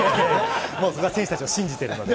そこは選手たちを信じているので。